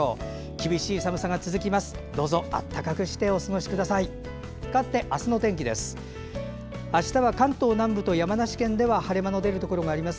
厳しい寒さが続きます。